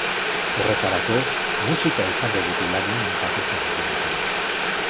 Horretarako, musika izango dugu lagun datozen egunetan.